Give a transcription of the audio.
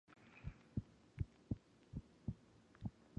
Therefore, the lowest setting is not necessarily the easiest difficulty setting.